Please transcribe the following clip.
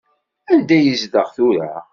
Anida yezdeɣ tura?